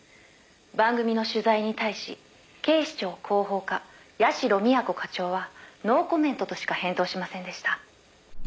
「番組の取材に対し警視庁広報課社美彌子課長はノーコメントとしか返答しませんでした」